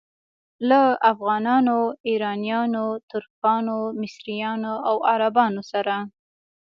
له افغانانو، ایرانیانو، ترکانو، مصریانو او عربانو سره.